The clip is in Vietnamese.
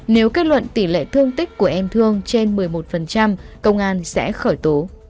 nếu kết luận tỷ lệ thương tích của em thương trên một mươi một công an sẽ khởi tố